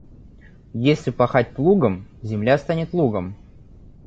Если пахать плугом, земля станет лугом.